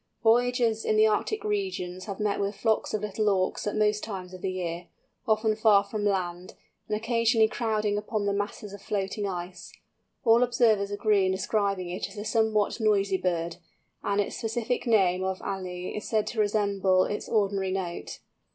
Voyagers in the Arctic regions have met with flocks of Little Auks at most times of the year, often far from land, and occasionally crowding upon the masses of floating ice. All observers agree in describing it as a somewhat noisy bird, and its specific name of alle is said to resemble its ordinary note.